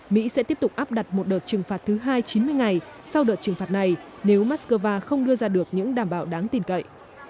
mỹ sẽ tiếp tục áp đặt một đợt trừng phạt thứ hai chín mươi ngày sau đợt trừng phạt này nếu moscow không đưa ra được những đảm bảo đáng tin cậy